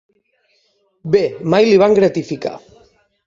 Bé, mai li van gratificar.